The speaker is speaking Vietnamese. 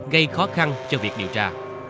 gây khó khăn cho việc điều tra